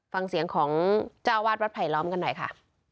ฟังเสียงของเจ้าวาดวัดไผลล้อมกันหน่อยค่ะ